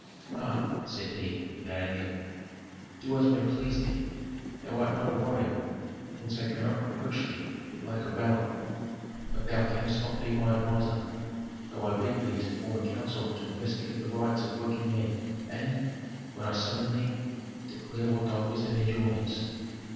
"Aa!" said he, without anger, "do as may please thee. Thou art not a warrior, hence I cannot reproach thee with lack of valor. But thou canst not be my adviser, though I beg thee to form a council to investigate the riots of working men, and, when I summon thee, declare what thy wisdom enjoins."